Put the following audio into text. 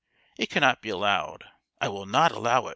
It cannot be allowed. I will not allow it